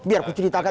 biar aku ceritakan